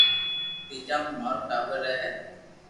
تيجا مي مارو ٽاٻر رھي ھي